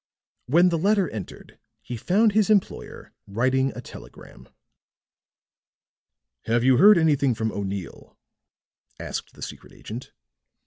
When the latter entered he found his employer writing a telegram. "Have you heard anything from O'Neill?" asked the secret agent.